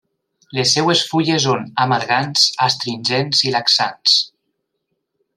Les seves fulles són amargants astringents i laxants.